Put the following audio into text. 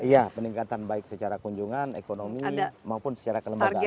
iya peningkatan baik secara kunjungan ekonomi maupun secara kelembagaan